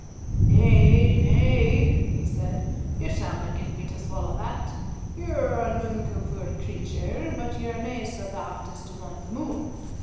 "Nae, nae," he said, "ye shallna get me to swallow that. Ye're an unco puir creature, but ye're no sa daft as to want the moon.